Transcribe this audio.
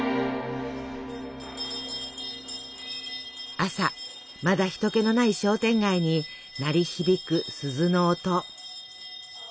朝まだ人けのない商店街に鳴り響く鈴の音。